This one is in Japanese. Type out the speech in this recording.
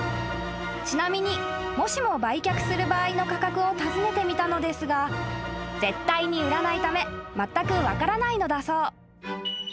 ［ちなみにもしも売却する場合の価格を尋ねてみたのですが絶対に売らないためまったく分からないのだそう］